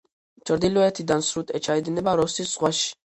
ჩრდილოეთიდან სრუტე ჩაედინება როსის ზღვაში.